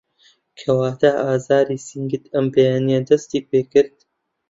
کەواته ئازاری سنگت ئەم بەیانیه دستی پێکرد